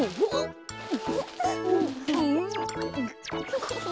フフフ。